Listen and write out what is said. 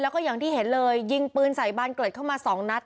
แล้วก็อย่างที่เห็นเลยยิงปืนใส่บานเกร็ดเข้ามาสองนัด